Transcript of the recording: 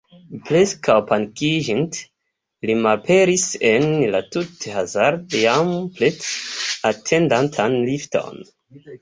Preskaŭ panikiĝinte, li malaperis en la tute hazarde jam prete atendantan lifton.